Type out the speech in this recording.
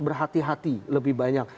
berhati hati lebih banyak